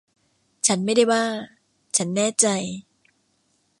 ฉันไม่ได้บ้า ฉันแน่ใจ